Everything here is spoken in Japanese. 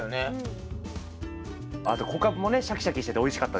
あと小カブもねシャキシャキしてておいしかったです。